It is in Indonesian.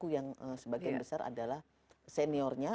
kita memang terasa dengan pelaku yang sebagian besar adalah senior nya